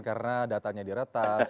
karena datanya diretas